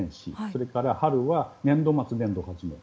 それから春は年度末、年度初め。